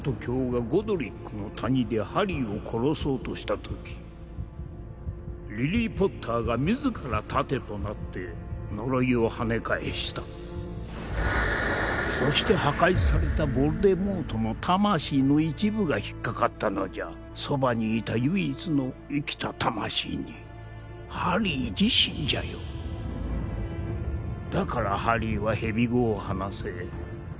卿がゴドリックの谷でハリーを殺そうとした時リリー・ポッターが自ら盾となって呪いをはね返したそして破壊されたヴォルデモートの魂の一部が引っかかったのじゃそばにいた唯一の生きた魂にハリー自身じゃよだからハリーはヘビ語を話せ∈